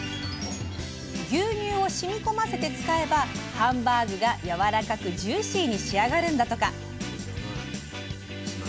牛乳を染み込ませて使えばハンバーグがやわらかくジューシーに仕上がるんだとか。